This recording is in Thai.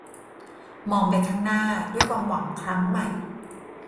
มองไปข้างหน้าด้วยความหวังครั้งใหม่